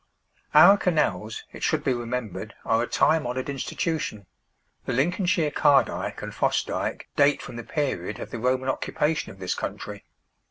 Our canals, it should be remembered, are a time honoured institution; the Lincolnshire Cardyke and Fossdyke date from the period of the Roman occupation of this country.